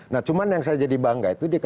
nah cuman yang saya jadi bangga itu